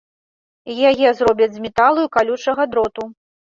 Яе зробяць з металу і калючага дроту.